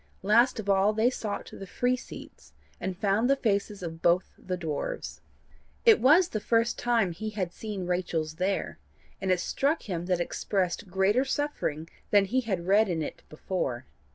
Last of all they sought the free seats, and found the faces of both the dwarfs. It was the first time he had seen Rachel's there, and it struck him that it expressed greater suffering than he had read in it before.